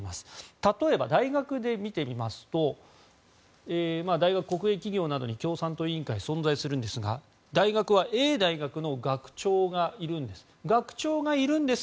例えば大学で見てみますと大学国営企業などに共産党委員会が存在するんですが、大学はＡ大学の学長がいるんです。